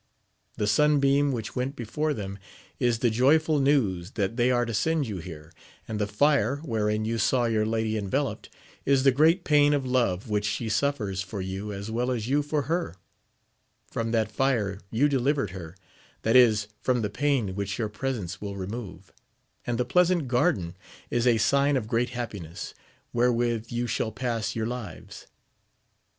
The sun beam which went before them, is the joyful news that they are to send you here ; and the fire, wherein you saw your lady enveloped, is the great pain of love which she suffers for you as well as you for her : from that fire you delivered her, that is, from the pain which your presence will remove; and the pleasant garden is a sign of great happiness, where with you shall pass your lives.